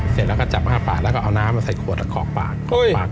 เสร็จแล้วก็จับอ้าปากแล้วก็เอาน้ำมาใส่ขวดคอกปาก